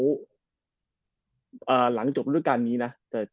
อืมก็เดินมาหลังจบฤทธิการนี้นะ